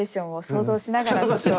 想像しながら？